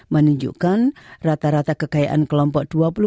menunjukkan rata rata kekayaan kelompok